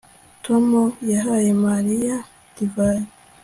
Tom yahaye Mariya divayi